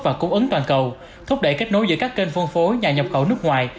và cung ứng toàn cầu thúc đẩy kết nối giữa các kênh phân phối nhà nhập khẩu nước ngoài